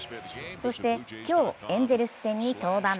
そして、今日エンゼルス戦に登板。